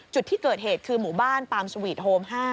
จุดที่เกิดเหตุคือหมู่บ้านปามสวีทโฮม๕